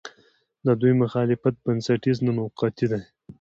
د دوی مخالفت بنسټیز نه، موقعتي دی.